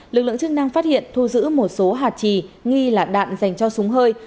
lực lượng chức năng phát hiện thu giữ một số hạt trì nghi là đạn dành cho súng hơi